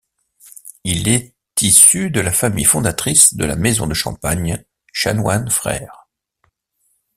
Il est issu de la famille fondatrice de la maison de champagne Chanoine Frères.